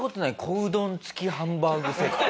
小うどん付きハンバーグセット。